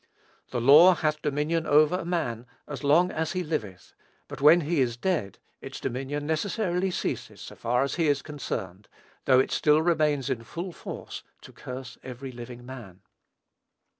"The law hath dominion over a man so long as he liveth;" but when he is dead, its dominion necessarily ceases so far as he is concerned, though it still remains in full force to curse every living man.